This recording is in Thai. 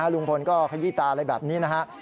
ลุงพลก็ขยี้ตาอะไรแบบนี้นะฮะ